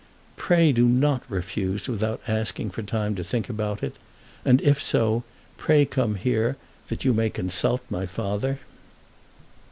Pray do not refuse without asking for time to think about it; and if so, pray come here, that you may consult my father.